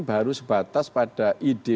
baru sebatas pada ide